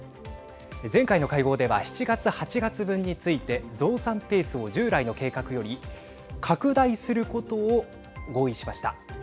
前回の会合では７月・８月分について増産ペースを従来の計画より拡大することを合意しました。